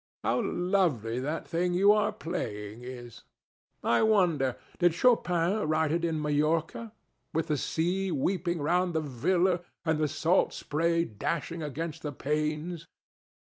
How lovely that thing you are playing is! I wonder, did Chopin write it at Majorca, with the sea weeping round the villa and the salt spray dashing against the panes?